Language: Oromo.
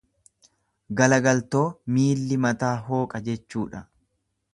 Galagaltoo miilli mataa hooqa jechuudha.